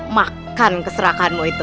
makan keserakanmu itu